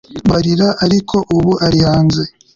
Mbabarira ariko ubu ari hanze